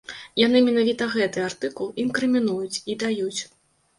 Яны менавіта гэты артыкул інкрымінуюць і даюць.